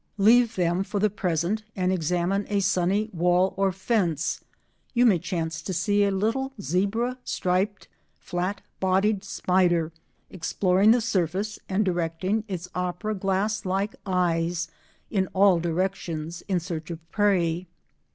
Leave them for the present and examine a sunny wall or fence. You may chance to see a little zebra striped, flat bodied spider exploring the surface and directing its opera glass like eyes in all directions in search of prey.